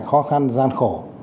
khó khăn gian khổ